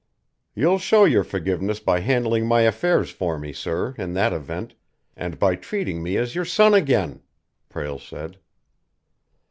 "You'll show your forgiveness by handling my affairs for me, sir, in that event, and by treating me as your son again!" Prale said.